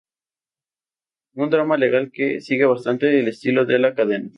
Un drama legal que, sigue bastante el estilo de la cadena.